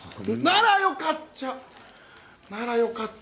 ならよかっちゃけど。